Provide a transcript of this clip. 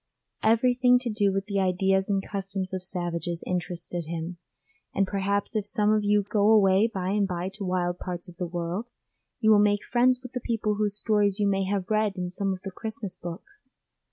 Everything to do with the ideas and customs of savages interested him, and perhaps if some of you go away by and bye to wild parts of the world, you will make friends with the people whose stories you may have read in some of the Christmas books.